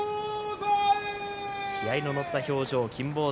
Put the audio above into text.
気合いの乗った表情、金峰山